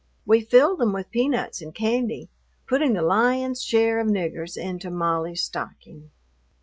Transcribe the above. We filled them with peanuts and candy, putting the lion's share of "niggers" into Molly's stocking.